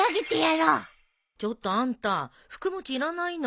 ちょっとあんた福もちいらないの？